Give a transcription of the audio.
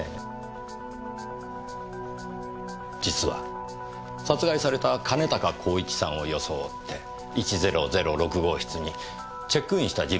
実は殺害された兼高公一さんを装って１００６号室にチェックインした人物がいるようでしてね。